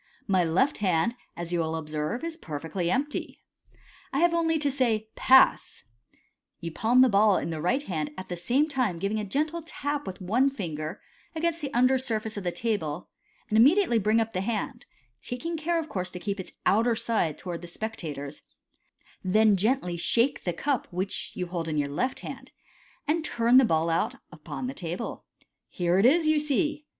My left hand, as you will observe, is per fectly empty. I have only to say, ■ Pass !* n (You palm the ball in the right hand, at the same time giving a gentle tap with one finger against the under surface of the table, and immediately bring up the hand, taking care, of course, to keep its outer side towards the specta tors ; then gently shake the cup which you hold in the left hand, and turn the ball out upon the table) " Here it is, you see.